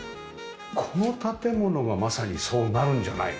この建物がまさにそうなるんじゃないの？